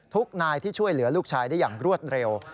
ทุกนายที่ช่วยเหลือลูกชายได้อย่างรวดเร็ว